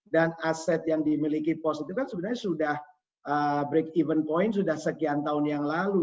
dan aset yang dimiliki pt post itu kan sebenarnya sudah break even point sudah sekian tahun yang lalu